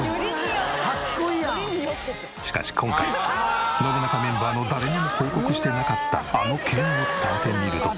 しかし今回『ノブナカ』メンバーの誰にも報告していなかったあの件を伝えてみると。